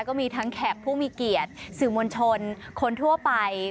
ก็มีทั้งแขกผู้มีเกียรติสื่อมวลชนคนทั่วไป